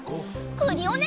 クリオネ！